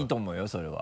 それは。